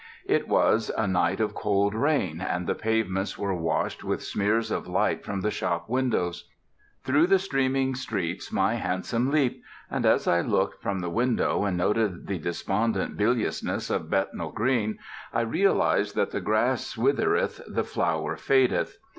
It was a night of cold rain, and the pavements were dashed with smears of light from the shop windows. Through the streaming streets my hansom leaped; and as I looked from the window, and noted the despondent biliousness of Bethnal Green, I realized that the grass withereth, the flower fadeth.